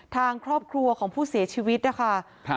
ทางครอบครัวของผู้เสียชีวิตนะคะ